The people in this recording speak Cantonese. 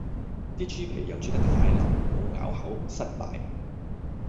啲豬皮又煮得太淋，冇咬口，失敗